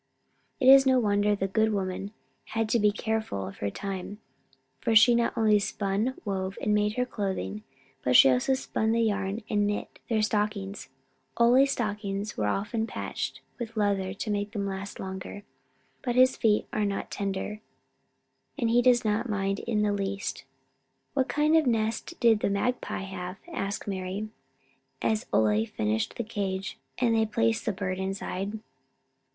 It is no wonder the good woman had to be careful of her time, for she not only spun, wove, and made their clothing, but she also spun the yarn and knit their stockings. Ole's stockings are often patched with leather to make them last longer. But his feet are not tender, and he does not mind it in the least. "What kind of a nest did the magpie have?" asked Mari, as Ole finished the cage and they placed the bird inside.